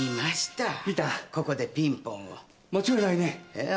ええ。